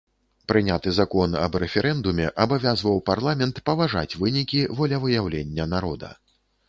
Прыняты закон аб рэферэндуме абавязваў парламент паважаць вынікі волевыяўлення народа.